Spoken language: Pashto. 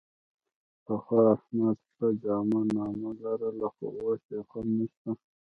پخوا احمد ښه جامه نامه لرله، خو اوس یې خوند نشته.